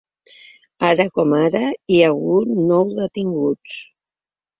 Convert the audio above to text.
Ara com ara, hi ha hagut nou detinguts.